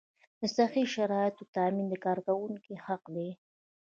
د صحي شرایطو تامین د کارکوونکي حق دی.